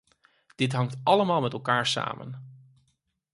Dit hangt allemaal met elkaar samen.